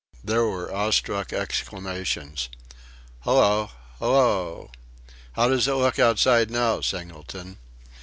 There were awestruck exclamations: "Hallo, hallo"... "How does it look outside now, Singleton?"